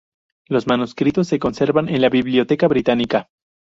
Los manuscritos se conservan en la Biblioteca Británica.